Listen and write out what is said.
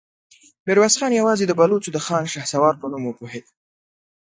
ميرويس خان يواځې د بلوڅو د خان شهسوار په نوم وپوهېد.